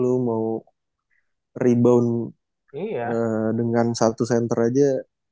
lu mau rebound dengan satu center aja